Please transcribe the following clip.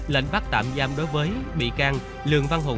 lệnh bắt tạm giam đối với bị can lường văn hùng